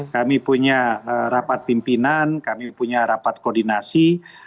kami punya rapat pimpinan kami punya rapat koordinasi